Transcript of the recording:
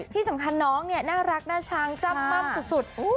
ที่สำคัญน้องเนี่ยน่ารักน่าช้างจ้ำม่ำสุด